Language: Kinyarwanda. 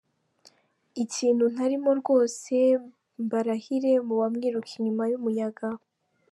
Ikintu ntarimo rwose mbarahire muba mwiruka inyuma y’umuyaga.